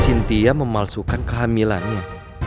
sintia memalsukan kehamilannya